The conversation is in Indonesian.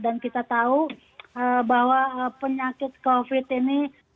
dan kita tahu bahwa penyakit covid ini